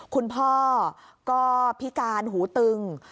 คุณพ่อก็พิการหูตึง